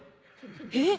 えっ？